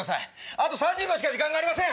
あと３０秒しか時間ありません！